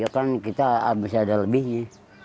ya kan kita habisnya ada lebihnya